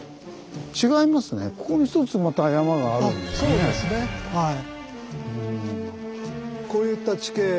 そうですねはい。